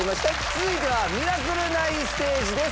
続いては『ミラクル９』ステージです。